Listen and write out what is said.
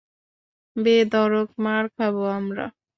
বেধরক মার খাব আমরা।